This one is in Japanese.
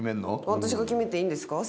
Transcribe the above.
私が決めていいんですか？